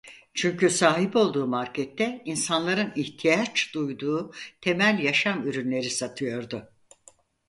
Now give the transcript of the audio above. Çünkü sahip olduğu markette insanların ihtiyaç duyduğu temel yaşam ürünleri satıyordu.